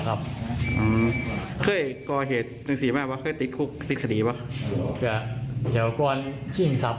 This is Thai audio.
โอ้โฮชิงทรัพย์